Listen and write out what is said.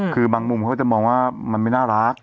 คือบางมุมเขาก็จะมองว่ามันไม่น่ารัก